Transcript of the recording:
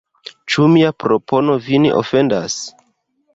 Ĉu mia propono vin ofendas?